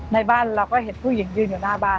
ในบ้านเราก็เห็นผู้หญิงยืนอยู่หน้าบ้าน